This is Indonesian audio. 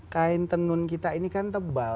kain tenun kita ini kan tebal